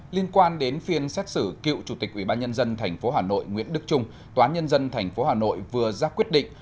liên quan đến phiên xét xử cựu chủ tịch ubnd tp hà nội nguyễn đức trung tòa nhân dân tp hà nội vừa ra quyết định